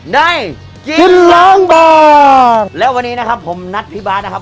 ในกินล้างบ่อและวันนี้นะครับผมนัดพี่บาทนะครับ